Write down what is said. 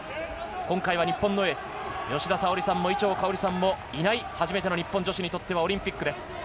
今回は日本のエース・吉田沙保里さんも伊調馨さんもいない初めての日本女子にとってのオリンピックです。